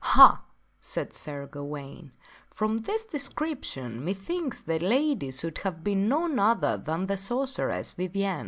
" Ha !" said Sir Gawaine, " from this description methinks that lady could have been none other than the sorceress Vivien.